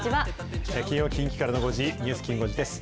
金曜近畿からの５時、ニュースきん５時です。